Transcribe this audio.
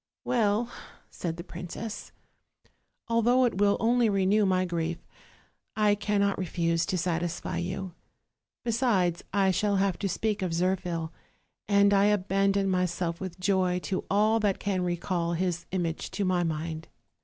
"Well," said the princess, "although it will only re new my grief, I cannot refuse to satisfy you; besides, I shall have to speak of Zirphil, and I abandon myself with joy to all that can recall his image to my mind."